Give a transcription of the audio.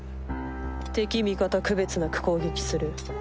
敵味方区別なく攻撃する。